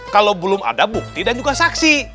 kalau belum ada bukti dan juga saksi